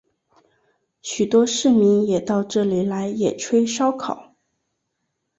许多市民也到这里来野炊烧烤。